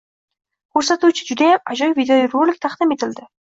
ko‘rsatuvchi judayam ajoyib videorolik taqdim etildi.